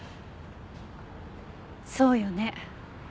そうよね。